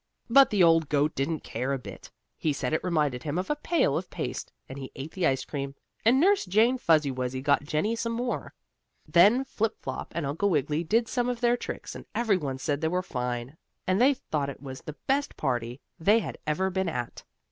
But the old goat didn't care a bit. He said it reminded him of a pail of paste, and he ate the ice cream, and Nurse Jane Fuzzy Wuzzy got Jennie some more. Then Flip Flop and Uncle Wiggily did some of their tricks, and every one said they were fine, and they thought it was the best party they had ever been at.